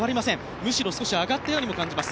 むしろ少し上がったようにも感じます。